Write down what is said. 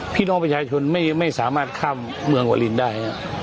พี่น้องประชาชนไม่สามารถข้ามเมืองวาลินได้